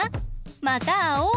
またあおう！